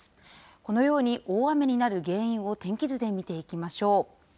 このように、大雨になる原因を天気図で見ていきましょう。